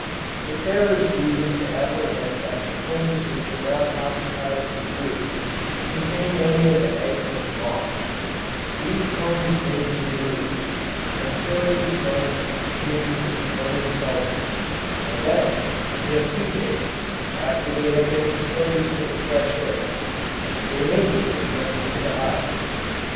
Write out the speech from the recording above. If there is reason to apprehend that the combs which are not occupied with brood, contain any of the eggs of the moth, these combs may be removed, and thoroughly smoked with the fumes of burning sulphur; and then, in a few days, after they have been exposed to the fresh air, they may be returned to the hive.